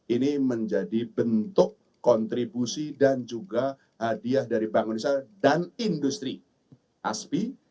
ini menjadi bentuk kontribusi dan juga hadiah dari bank indonesia dan industri aspi